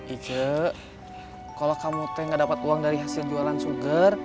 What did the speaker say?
ica kalau kamu teh enggak dapat uang dari hasil jualan sugar